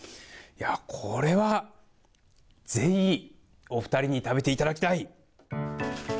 これは、ぜひお二人に食べていただきたい。